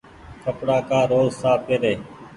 ڪپڙآ ڪآ روز ساڦ پيري۔